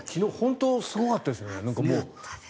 昨日本当にすごかったですね。